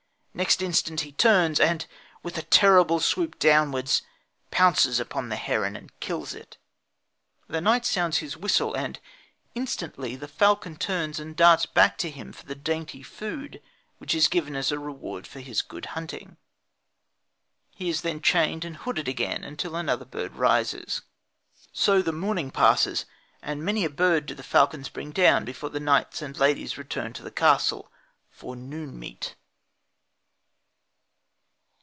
Next instant he turns and, with a terrible swoop downwards, pounces upon the heron and kills it. The knight sounds his whistle and instantly the falcon turns and darts back to him for the dainty food which is given as a reward for his good hunting. Then he is chained and hooded again till another bird rises. So the morning passes, and many a bird do the falcons bring down before the knights and ladies return to the castle for "noon meat."